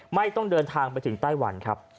ไม่ต้องเดินทางไปถึงไต้หวันครับ